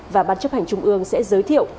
và bàn chấp hành trung ương sẽ giới thiệu